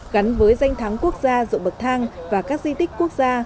gắn với danh thắng quốc gia dụng bậc thang và các di tích quốc gia